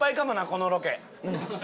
このロケ。